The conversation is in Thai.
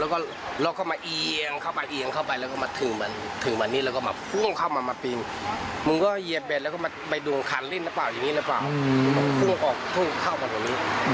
ก็เราไม่ได้ถูกใจอะไรเพราะว่าเหล่าหินเสียหลักอยู่ตั้งแต่นั้น